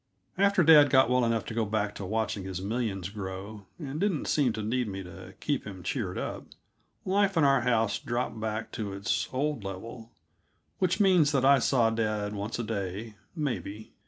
After dad got well enough to go back to watching his millions grow, and didn't seem to need me to keep him cheered up, life in our house dropped back to its old level which means that I saw dad once a day, maybe.